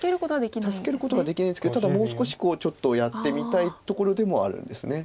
助けることはできないですけどただもう少しちょっとやってみたいところでもあるんです。